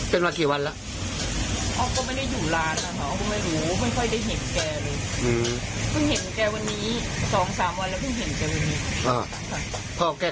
เป็นอย่างที่เห็นจะไม่นอนแล้วก็พูดคนเดียวใช่ไหม